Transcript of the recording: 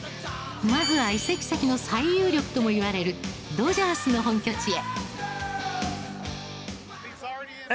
まずは移籍先の最有力ともいわれるドジャースの本拠地へ。